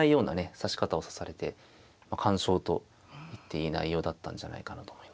指し方をされて完勝と言っていい内容だったんじゃないかなと思います。